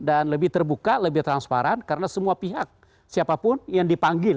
dan lebih terbuka lebih transparan karena semua pihak siapapun yang dipanggil